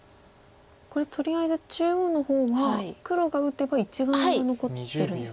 これとりあえず中央の方は黒が打てば１眼は残ってるんですね。